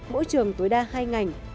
mỗi trường tối đa hai ngành